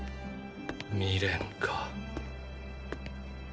未練か。